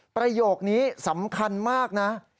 ประโยคนี้สำคัญมากนะ